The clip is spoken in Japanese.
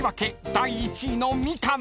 第１位のみかん］